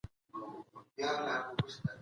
نوروز له پخوا زمانو راهیسې دلته لمانځل کیږي.